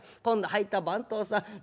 今度入った番頭さん